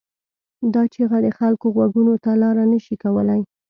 دا چیغه د خلکو غوږونو ته لاره نه شي کولای.